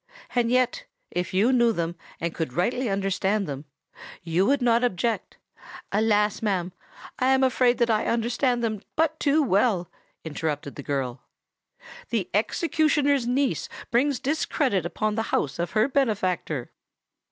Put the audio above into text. And yet—if you knew them, and could rightly understand them—you would not object——" "Alas! ma'am, I am afraid that I understand them but too well," interrupted the girl: "the executioner's niece brings discredit upon the house of her benefactor."